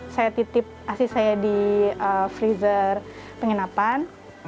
saya titip asih saya di freezer penginapan